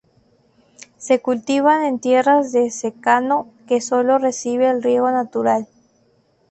Se cultivan en tierras de secano, que solo reciben el riego natural.